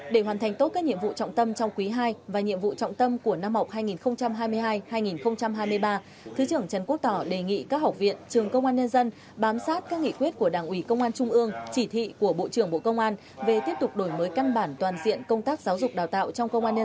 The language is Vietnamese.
để hoàn thành tốt các nhiệm vụ trọng tâm trong quý ii và nhiệm vụ trọng tâm của năm học hai nghìn hai mươi hai hai nghìn hai mươi ba thứ trưởng trần quốc tỏ đề nghị các học viện trường công an nhân dân bám sát các nghị quyết của đảng ủy công an trung ương chỉ thị của bộ trưởng bộ công an về tiếp tục đổi mới căn bản toàn diện công tác giáo dục đào tạo trong công an nhân dân